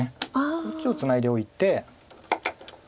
こっちをツナいでおいて。